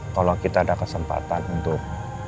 kalau kita ada kesempatan untuk